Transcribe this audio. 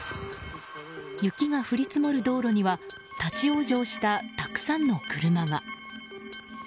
雪が降り積もる道路には立ち往生したたくさんの車が。